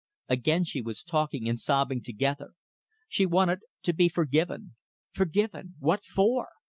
Again she was talking and sobbing together. She wanted to be forgiven. Forgiven? What for?